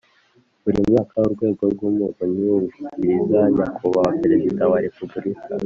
buri mwaka, urwego rw’umuvunyi rushyikiriza nyakubahwa perezida wa repubulika